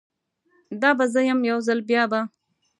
دا به زه یم، یوځل بیابه